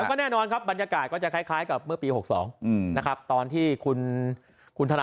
ก็แน่นอนครับบรรยากาศก็จะคล้ายกับเมื่อปี๖๒นะครับตอนที่คุณธนา